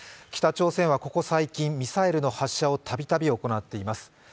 北朝鮮はここ最近、ミサイルの発射をたびたび行っています。